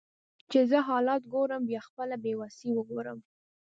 چې زه حالات ګورم بیا خپله بیوسي وګورم